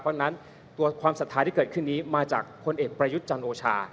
เพราะฉะนั้นตัวความศรัทธาที่เกิดขึ้นนี้มาจากคนเอกประยุทธ์จันโอชา